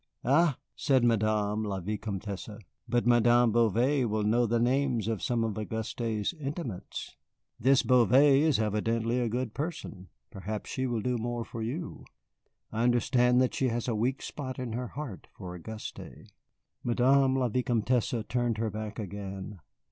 "Ah," said Madame la Vicomtesse, "but Madame Bouvet will know the names of some of Auguste's intimates. This Bouvet is evidently a good person, perhaps she will do more for you. I understand that she has a weak spot in her heart for Auguste." Madame la Vicomtesse turned her back again.